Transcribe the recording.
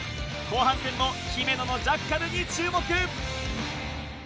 後半戦も姫野のジャッカルに注目。